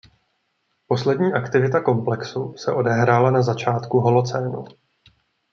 Poslední aktivita komplexu se odehrála na začátku holocénu.